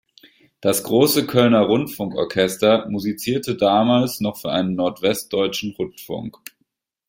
Das "Große Kölner Rundfunkorchester" musizierte damals noch für einen Nordwestdeutschen Rundfunk.